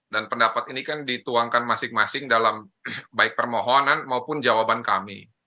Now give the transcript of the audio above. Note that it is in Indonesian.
dan pendapat ini kan dituangkan masing masing dalam baik permohonan maupun jawaban kami